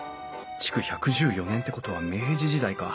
築１１４年ってことは明治時代か。